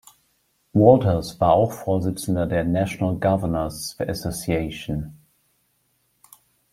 Walters war auch Vorsitzender der National Governors Association.